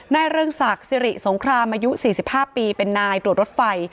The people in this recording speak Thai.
เริงศักดิ์สิริสงครามอายุ๔๕ปีเป็นนายตรวจรถไฟ